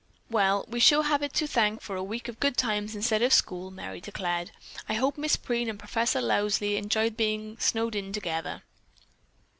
"Well, we sure have it to thank for a week of good times instead of school," Merry declared. "I hope Miss Preen and Professor Lowsley enjoyed being snowed in together."